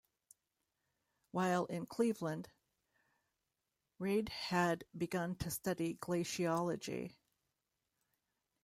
While in Cleveland, Reid had begun to study glaciology.